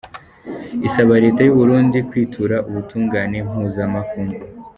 Isaba reta y'uburundi kwitura ubutungane mpuzamakungu.